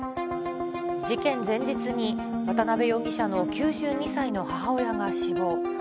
事件前日に、渡辺容疑者の９２歳の母親が死亡。